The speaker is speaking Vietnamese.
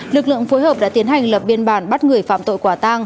lực lượng phối hợp đã tiến hành lập biên bản bắt người phạm tội quả tang